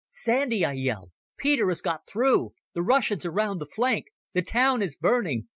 "Sandy," I yelled, "Peter has got through. The Russians are round the flank. The town is burning.